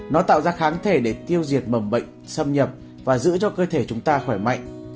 nó tạo ra kháng thể để tiêu diệt mầm bệnh xâm nhập và giữ cho cơ thể chúng ta khỏe mạnh